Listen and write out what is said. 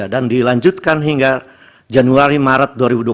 dan dilanjutkan hingga januari maret dua ribu dua puluh empat